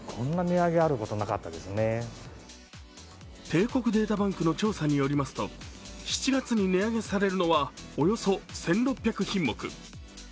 帝国データバンクの調査によりますと、７月に値上げされるのはおよそ１６００品目。